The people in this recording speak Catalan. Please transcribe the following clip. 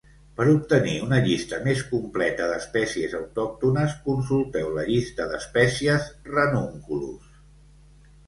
Per obtenir una llista més completa d'espècies autòctones, consulteu la llista d'espècies "Ranunculus".